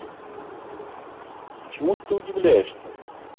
Чему ж ты удивляешься?